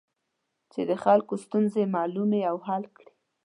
چې د خلکو ستونزې معلومې او حل کړي.